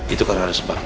itu karena sebabnya